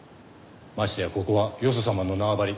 ましてやここはよそ様の縄張り。